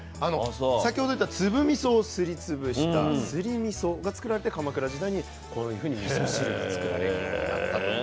先ほど言ってた粒みそをすり潰したすりみそがつくられて鎌倉時代にこういうふうにみそ汁が作られるようになったと。